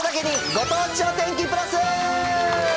ご当地お天気プラス。